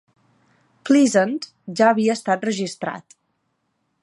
Pleasant ja havia estat registrat.